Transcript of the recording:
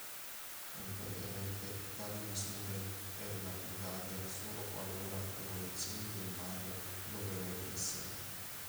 Evidentemente tali misure erano applicate solo qualora le condizioni del mare lo permettessero.